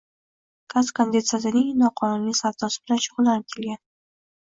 Gaz kondensatining noqonuniy savdosi bilan shug‘ullanib kelgan